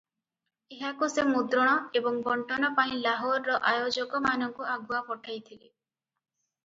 ଏହାକୁ ସେ ମୁଦ୍ରଣ ଏବଂ ବଣ୍ଟନ ପାଇଁ ଲାହୋରର ଆୟୋଜକମାନଙ୍କୁ ଆଗୁଆ ପଠାଇଥିଲେ ।